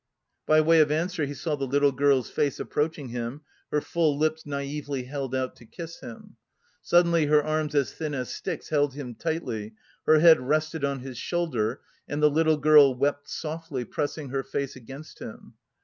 By way of answer he saw the little girl's face approaching him, her full lips naïvely held out to kiss him. Suddenly her arms as thin as sticks held him tightly, her head rested on his shoulder and the little girl wept softly, pressing her face against him.